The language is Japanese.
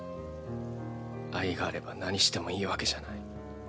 愛があれば何してもいいわけじゃない。